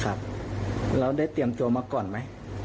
ครับแล้วได้เตรียมจัวมาก่อนไหม